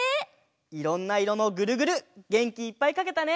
いろんないろのグルグルげんきいっぱいかけたね。